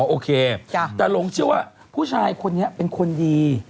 โอเคแต่หลงเชื่อว่าผู้ชายคนนี้เป็นคนดี